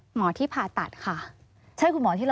หมอที่ผ่าตัดค่ะ